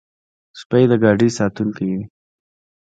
سپي د ګاډي ساتونکي وي.